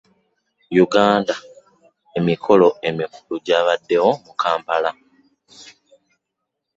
Uganda, emikolo emikulu gyabaddewo mu Kampala.